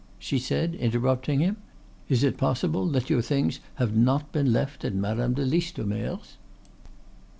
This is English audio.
she said, interrupting him, "is it possible that your things have not been left at Madame de Listomere's?"